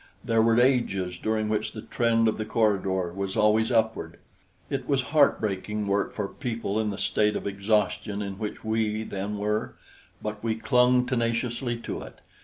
There were ages during which the trend of the corridors was always upward. It was heartbreaking work for people in the state of exhaustion in which we then were, but we clung tenaciously to it.